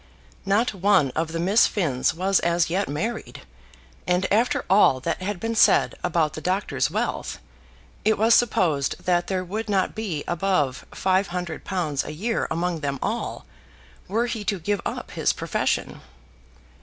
Not one of the Miss Finns was as yet married; and, after all that had been said about the doctor's wealth, it was supposed that there would not be above five hundred pounds a year among them all, were he to give up his profession.